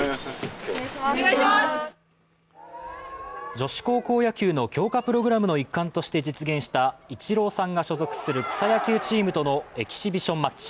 女子高校野球強化プログラムの一環として実現したイチローさんが所属する草野球チームとのエキシビションマッチ。